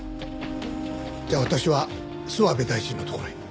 じゃあ私は諏訪部大臣のところへ。